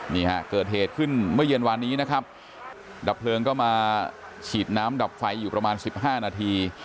นี่ฮะเกิดเหตุขึ้นเมื่อเย็นวานนี้นะครับดับเพลิงก็มาฉีดน้ำดับไฟอยู่ประมาณสิบห้านาที